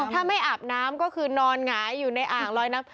ถ้าไม่อาบน้ำก็คือนอนหงายอยู่ในอ่างลอยน้ำ